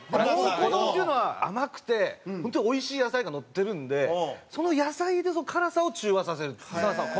蒙古丼っていうのは甘くて本当においしい野菜がのってるんでその野菜で辛さを中和させるんですよ。